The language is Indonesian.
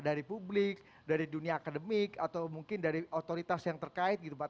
dari publik dari dunia akademik atau mungkin dari otoritas yang terkait gitu pak